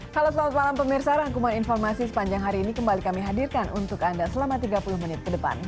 halo selamat malam pemirsa rangkuman informasi sepanjang hari ini kembali kami hadirkan untuk anda selama tiga puluh menit ke depan